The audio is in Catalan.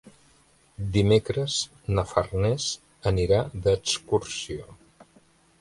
Dimecres na Farners anirà d'excursió.